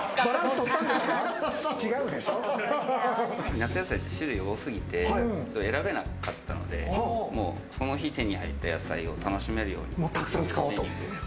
夏野菜って種類が多すぎて選べなかったので、その日、手に入った野菜を楽しめるようにっていうメニューを。